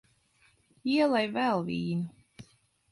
Ielej vēl vīnu.